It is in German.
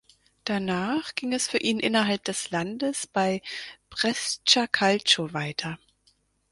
Danach ging es für ihn innerhalb des Landes bei Brescia Calcio weiter.